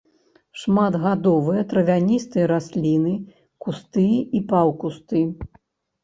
Шматгадовыя травяністыя расліны, кусты і паўкусты.